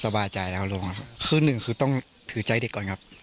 สบายใจแล้วลุงครับคือหนึ่งคือต้องถือใจเด็กก่อนครับ